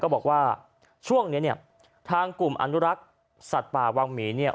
บอกว่าช่วงนี้เนี่ยทางกลุ่มอนุรักษ์สัตว์ป่าวังหมีเนี่ย